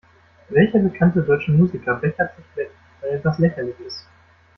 Welcher bekannte deutsche Musiker bechert sich weg, weil etwas lächerlich ist?